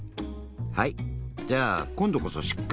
はいじゃあこんどこそしっかり。